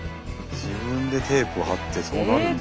自分でテープを貼ってそうなるんだ。